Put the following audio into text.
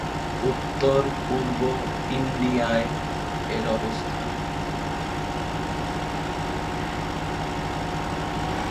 উত্তর-পূর্ব ইন্ডিয়ানায় এর অবস্থান।